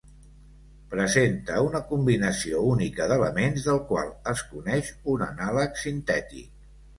Presenta una combinació única d'elements, del qual es coneix un anàleg sintètic.